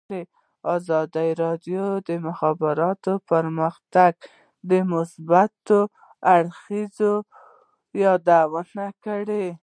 ازادي راډیو د د مخابراتو پرمختګ د مثبتو اړخونو یادونه کړې.